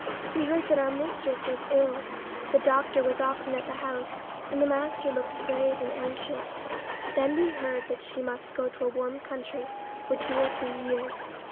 We heard that our mistress was ill. The doctor was often at the house, and the master looked grave and anxious. Then we heard that she must go to a warm country for two or three years.